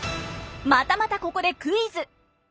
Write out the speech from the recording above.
またまたここでクイズ！